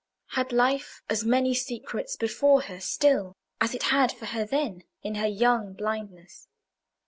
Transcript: Had life as many secrets before her still as it had for her then, in her young blindness?